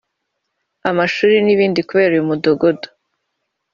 amashuri n’ibindi kubera uyu mudugudu